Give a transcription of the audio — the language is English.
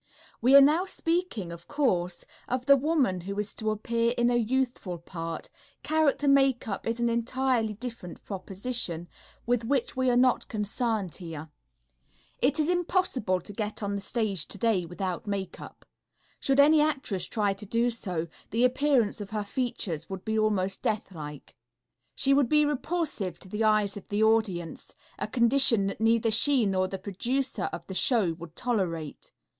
We are now speaking, of course, of the woman who is to appear in a youthful part; character makeup is an entirely different proposition, with which we are not concerned here. It is impossible to go on the stage today without makeup. Should any actress try to do so, the appearance of her features would be almost deathlike. She would be repulsive to the eyes of the audience, a condition that neither she nor the producer of the show would tolerate.